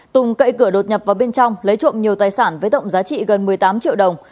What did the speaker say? tùng cậy cửa đột nhập vào bên trong lấy trộm nhiều tài sản với tổng giá trị gần một mươi tám triệu đồng